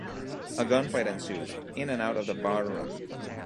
A gunfight ensues, in and out of the barroom.